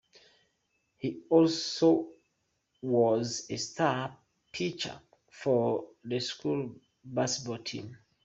He also was a star pitcher for the school's baseball team.